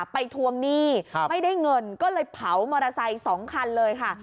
ทวงหนี้ไม่ได้เงินก็เลยเผามอเตอร์ไซค์๒คันเลยค่ะ